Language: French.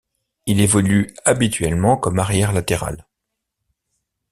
Il évolue habituellement comme arrière latéral.